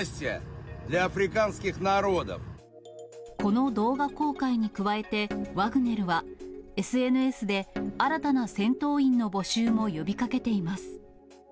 この動画公開に加えて、ワグネルは、ＳＮＳで新たな戦闘員の募集も呼びかけています。